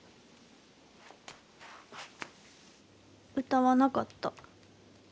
歌わなかった。